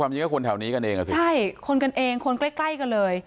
จริงก็คนแถวนี้กันเองอ่ะสิใช่คนกันเองคนใกล้ใกล้กันเลย